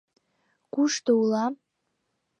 — Кушто улам?»